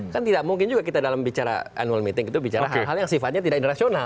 kan tidak mungkin juga kita dalam bicara annual meeting itu bicara hal hal yang sifatnya tidak internasional